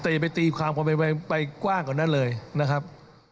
แต่อย่าไปตีความไปกว้างกว่านั้นเลยนะครับ